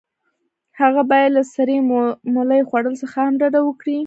هغه باید له سرې مولۍ خوړلو څخه هم ډډه وکړي.